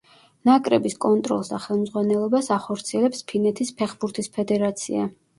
ნაკრების კონტროლს და ხელმძღვანელობას ახორციელებს ფინეთის ფეხბურთის ფედერაცია.